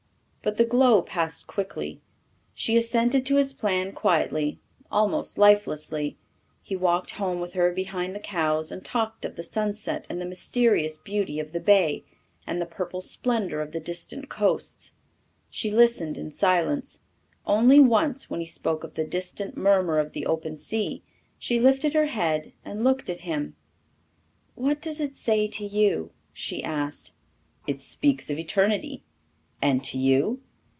But the glow passed quickly. She assented to his plan quietly, almost lifelessly. He walked home with her behind the cows and talked of the sunset and the mysterious beauty of the bay and the purple splendour of the distant coasts. She listened in silence. Only once, when he spoke of the distant murmur of the open sea, she lifted her head and looked at him. "What does it say to you?" she asked. "It speaks of eternity. And to you?"